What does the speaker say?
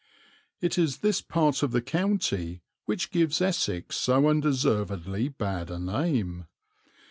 It is this part of the county which gives Essex so undeservedly bad a name.